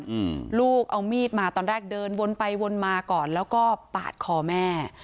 อืมลูกเอามีดมาตอนแรกเดินวนไปวนมาก่อนแล้วก็ปาดคอแม่